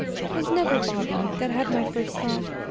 'Twas never Bobby that had my first thought.